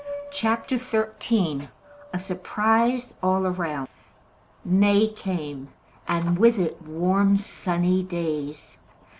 CHAPTER XIII A SURPRISE ALL AROUND May came, and with it warm sunny days.